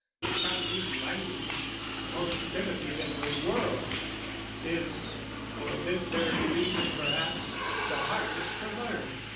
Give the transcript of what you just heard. The Chinese language, the most primitive in the world, is, for this very reason perhaps, the hardest to learn.